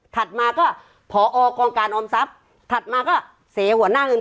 มาก็ผอกองการออมทรัพย์ถัดมาก็เสหัวหน้าเงิน